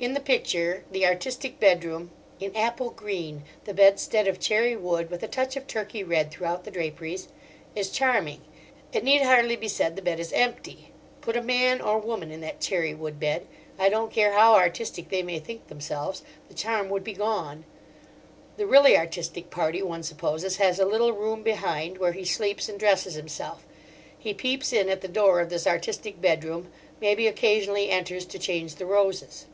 In the picture, the artistic bedroom, "in apple green, the bedstead of cherry wood, with a touch of turkey red throughout the draperies," is charming. It need hardly be said the bed is empty. Put a man or woman in that cherry wood bed—I don't care how artistic they may think themselves—the charm would be gone. The really artistic party, one supposes, has a little room behind, where he sleeps and dresses himself. He peeps in at the door of this artistic bedroom, maybe occasionally enters to change the roses.